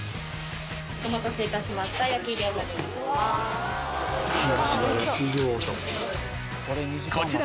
お待たせいたしました。